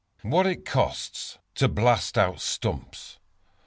What it Costs to Blast Out Stumps.